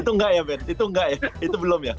itu enggak ya ben itu enggak ya itu belum ya